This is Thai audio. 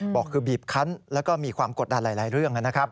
บอกคือบีบคันแล้วก็มีความกดดันหลายเรื่องนะครับ